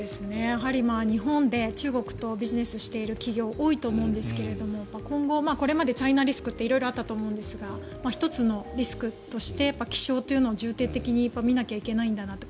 やはり日本で中国とビジネスしている企業多いと思うんですが今後、これまでチャイナリスクって色々あったと思うんですが１つのリスクとして気象というのを重点的に見なきゃいけないんだなと。